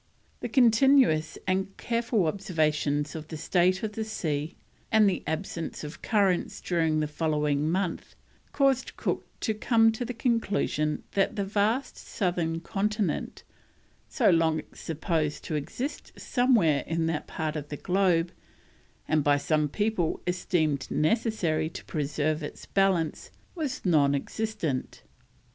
The continuous and careful observations of the state of the sea, and the absence of currents during the following month, caused Cook to come to the conclusion that the vast southern continent so long supposed to exist somewhere in that part of the globe, and by some people esteemed necessary to preserve its balance, was non existent.